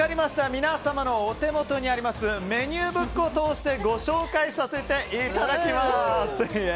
皆様のお手元にあるメニューブックを通してご紹介させていただきます。